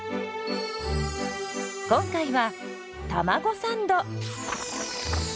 今回はたまごサンド。